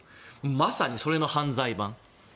まさに、それの犯罪版。